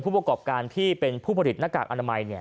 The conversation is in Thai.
ผู้ประกอบการที่เป็นผู้ผลิตหน้ากากอนามัย